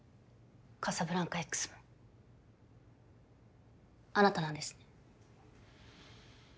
カサブランカＸもあなたなんですね。